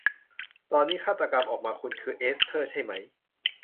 ตอนนี้ฆาตกรรมออกมา คุณคือเอสเธอร์ใช่ไหม